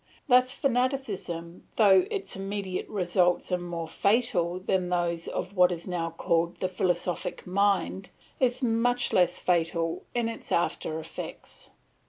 Thus fanaticism though its immediate results are more fatal than those of what is now called the philosophic mind, is much less fatal in its after effects.